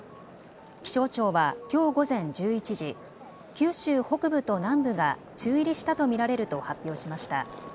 気象庁はきょう午前１１時、九州北部と南部が梅雨入りしたと見られると発表しました。